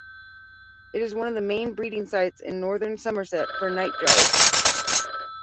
It is one of the main breeding sites in northern Somerset for nightjars.